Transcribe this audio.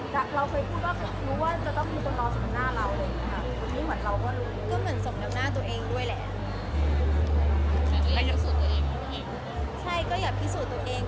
ใช่คืออย่าพิสูจน์ตัวเอง